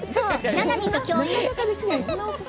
ななみと共演して。